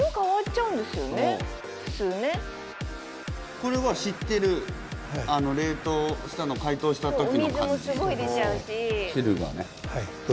これは知ってる冷凍したの解凍した時の感じ。